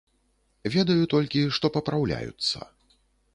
Ведаю толькі, што папраўляюцца.